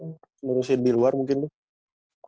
ngurusin di luar mungkin tuh